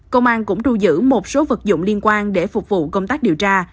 công an cũng thu giữ một số vật dụng liên quan để phục vụ công tác điều tra